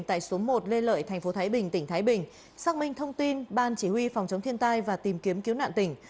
tại số một lê lợi thành phố thái bình tỉnh thái bình xác minh thông tin ban chỉ huy phòng chống thiên tai và tìm kiếm cứu nạn tỉnh